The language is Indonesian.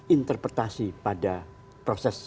interpretasi pada proses